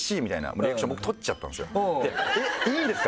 「えっいいんですか？